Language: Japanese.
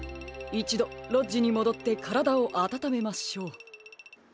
いちどロッジにもどってからだをあたためましょう。